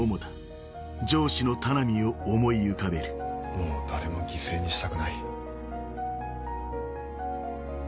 もう誰も犠牲にしたくない。